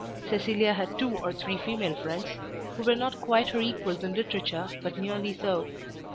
Cecilia had two or three female friends, who were not quite her equals in literature but nearly so.